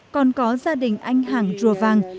còn có gia đình anh hằng rùa vàng